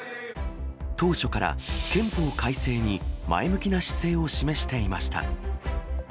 当初から憲法改正に前向きな姿勢を示していました。